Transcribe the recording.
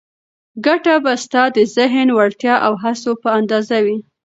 ګټه به ستا د ذهني وړتیا او هڅو په اندازه وي.